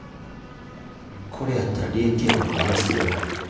これやったら利益計画が甘すぎる。